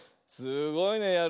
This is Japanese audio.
すごいね。